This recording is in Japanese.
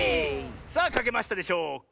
さあかけましたでしょうか？